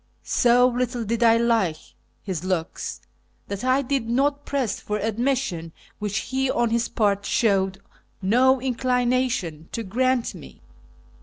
So little did I like his looks that I did not press for admission, which he on his part showed no inclina tion to grant me.